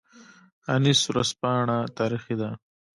انیس ورځپاڼه تاریخي ده